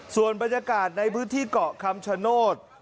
ส่วนบรรยากาศในพื้นที่เกาะคำชโนธ